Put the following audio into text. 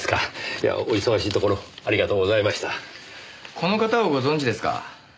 この方をご存じですか？